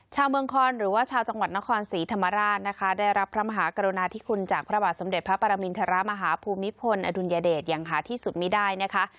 ชาวเมืองคอนหรือว่าชาวจังหวัดนครศรีธรรมราชนะคะได้รับพระมหากรุณาธิคุณจากพระบาทสมเด็จพระปรมินทรมาฮภูมิพลอดุลยเดชอย่างหาที่สุดไม่ได้นะคะ